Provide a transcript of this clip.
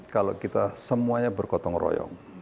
kalau kita semuanya bergotong royong